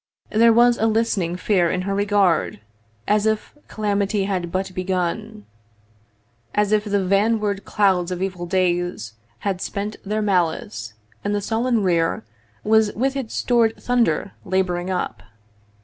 There was a listening fear in her regard, As if calamity had but begun; As if the vanward clouds of evil days Had spent their malice, and the sullen rear Was with its stored thunder labouring up.